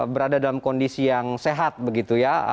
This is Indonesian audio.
berada dalam kondisi yang sehat begitu ya